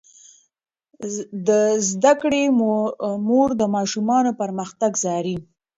د زده کړې مور د ماشومانو پرمختګ څاري.